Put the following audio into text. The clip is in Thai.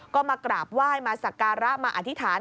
ก็มากราบไหว้มาสักการะมาอธิษฐาน